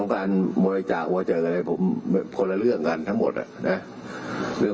มีศาสตราจารย์พิเศษวิชามหาคุณเป็นประเทศด้านกรวมความวิทยาลัยธรม